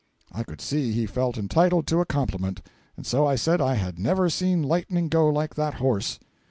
I could see he felt entitled to a compliment, and so I said I had never seen lightning go like that horse.